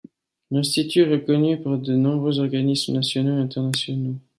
L'Institut est reconnu par de nombreux organismes nationaux et internationaux.